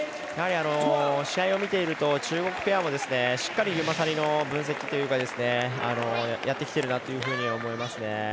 試合を見ていると中国ペアもしっかり、ユマサリの分析をやってきているなと思いますね。